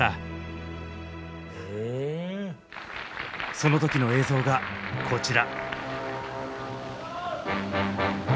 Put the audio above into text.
その時の映像がこちら！